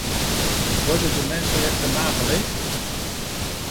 Worden de mensenrechten nageleefd?